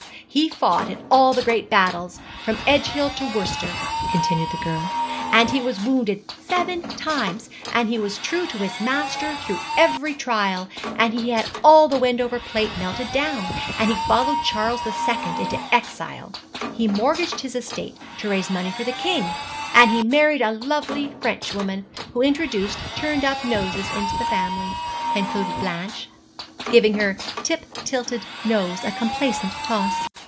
He fought in all the great battles, from Edgehill to Worcester,' continued the girl; 'and he was wounded seven times; and he was true to his master through every trial; and he had all the Wendover plate melted down; and he followed Charles the Second into exile; he mortgaged his estate to raise money for the king; and he married a very lovely French woman, who introduced turned up noses into the family,' concluded Blanche, giving her tip tilted nose a complacent toss.